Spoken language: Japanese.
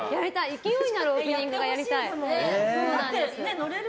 勢いのあるオープニングがやりたいので。